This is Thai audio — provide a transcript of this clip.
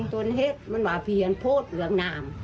ตัวเฮ็ดมันว่าพี่เห็นโพธิเหลืองนาม